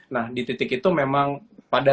nah di titik itu memang pada